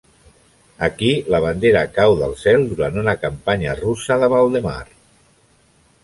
Aquí, la bandera cau del cel durant una campanya russa de Valdemar.